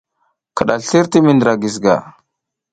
Kiɗaslir ti mi ndra Giziga.